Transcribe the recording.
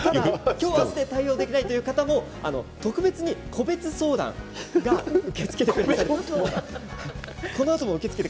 今日、明日で対応できないという方も特別に個別相談を受け付けてくださいます。